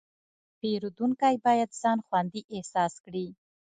پیرودونکی باید ځان خوندي احساس کړي.